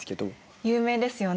有名ですよね。